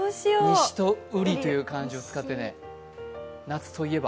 西と瓜という漢字で使ってね、夏といえば。